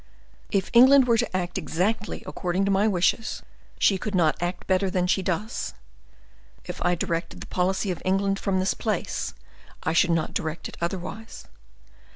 "If England were to act exactly according to my wishes, she could not act better than she does; if I directed the policy of England from this place, I should not direct it otherwise.